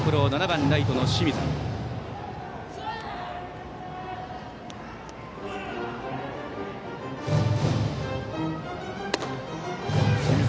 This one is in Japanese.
７番、ライトの清水。